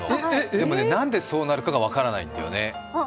でも、なんでそうなるかが分からないんだよね。